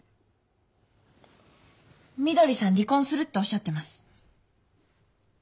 みどりさん離婚するっておっしゃってます。